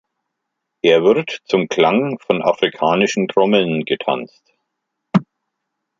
Er wird zum Klang von afrikanischen Trommeln getanzt.